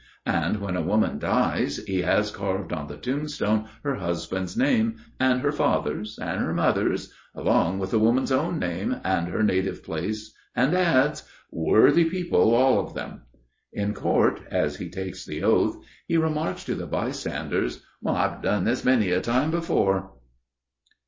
And when a woman dies, he has carved on the tombstone her husband's name, and her father's and her mother's, along with the woman's own name and her native place, and adds: "Worthy people, all of them." In court, as he takes the oath, he remarks to the bystanders, "I have done this many a time before."